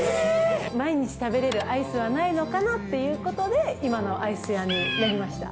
毎日食べれるアイスはないのかなっていうことで今のアイス屋になりました。